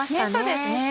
そうですね。